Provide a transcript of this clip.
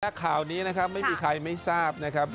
และข่าวนี้นะครับไม่มีใครไม่ทราบนะครับ